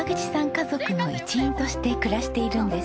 家族の一員として暮らしているんです。